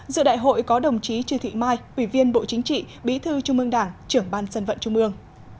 giữa đại hội có đồng chí trư thị mai ủy viên bộ chính trị bí thư trung mương đảng trưởng ban dân vận trung mương